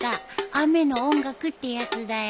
雨の音楽ってやつだよ。